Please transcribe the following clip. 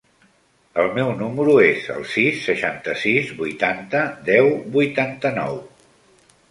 El meu número es el sis, seixanta-sis, vuitanta, deu, vuitanta-nou.